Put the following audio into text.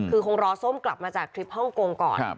คือคงรอส้มกลับมาจากทริปฮ่องกงก่อน